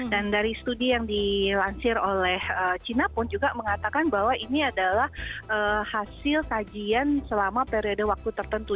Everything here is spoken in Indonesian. dan dari studi yang dilansir oleh cina pun juga mengatakan bahwa ini adalah hasil kajian selama periode waktu tertentu